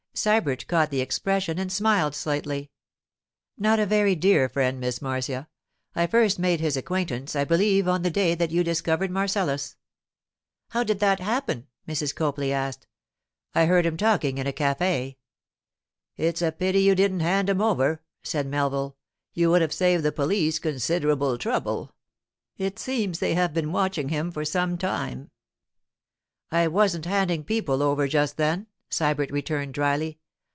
Sybert caught the expression and smiled slightly. 'Not a very dear friend, Miss Marcia. I first made his acquaintance, I believe, on the day that you discovered Marcellus.' 'How did that happen?' Mrs. Copley asked. 'I heard him talking in a café.' 'It's a pity you didn't hand him over,' said Melville. 'You would have saved the police considerable trouble. It seems they have been watching him for some time.' 'I wasn't handing people over just then,' Sybert returned dryly.